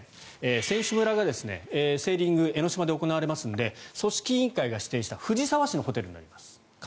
選手村がセーリング江の島で行われますので組織委員会が指定した神奈川県の藤沢市のホテルになります。